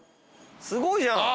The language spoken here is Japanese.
すごいじゃん。